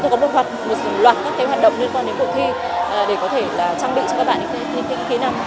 chúng tôi có một loạt các kế hoạch hành động liên quan đến cuộc thi để có thể trang bị cho các bạn những kỹ năng